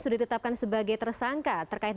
sudah ditetapkan sebagai tersangka terkait